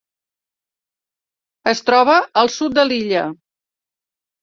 Es troba al sud de l'illa.